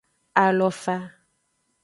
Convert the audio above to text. Alofa.